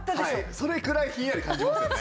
それくらいひんやり感じますよね。